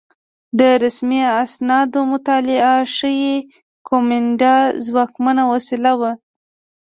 د رسمي اسنادو مطالعه ښيي کومېنډا ځواکمنه وسیله وه